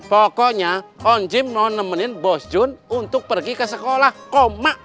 pokoknya om jin mau nemenin bos jun untuk pergi ke sekolah koma